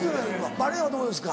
バレーはどうですか？